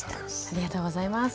ありがとうございます。